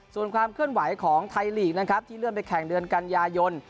ส่วนความเคลื่อนไหวของไทยลีกนะครับที่เลื่อนไปแข่งเดือนกันยายน